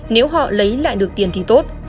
nếu họ lấy lại được tiền thì tốt